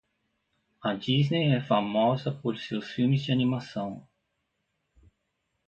A Disney é famosa por seus filmes de animação.